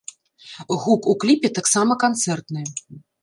Гук у кліпе таксама канцэртны.